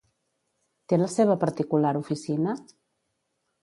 Té la seva particular oficina?